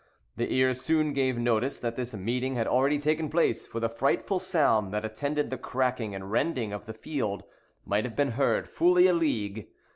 The ear soon gave notice that this meeting had already taken place; for the frightful sound that attended the cracking and rending of the field might have been heard fully a league.